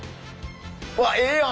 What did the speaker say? うわっええやん。